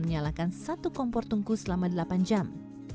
menyalakan satu kompor tungku selama delapan jam